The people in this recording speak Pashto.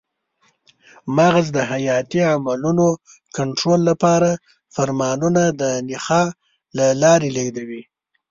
مغز د حیاتي عملونو کنټرول لپاره فرمانونه د نخاع له لارې لېږدوي.